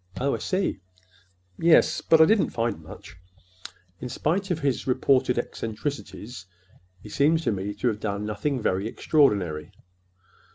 "Oh, I see." "Yes; but I didn't find much. In spite of his reported eccentricities, he seems to me to have done nothing very extraordinary."